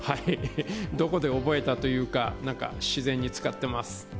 どこで覚えたというか、自然に使ってます。